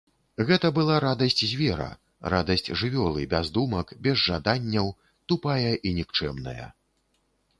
Гэта была радасць звера, радасць жывёлы, без думак, без жаданняў, тупая і нікчэмная.